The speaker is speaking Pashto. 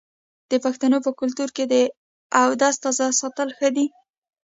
د پښتنو په کلتور کې د اودس تازه ساتل ښه دي.